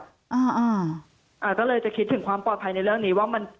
บ้านของตำรวจอ่าอ่าอ่าก็เลยจะคิดถึงความปลอดภัยในเรื่องนี้ว่ามัน